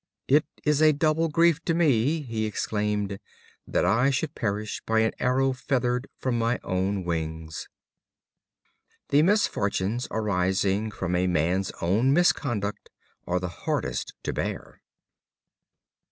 "It is a double grief to me," he exclaimed, "that I should perish by an arrow feathered from my own wings." The misfortunes arising from a man's own misconduct are the hardest to bear.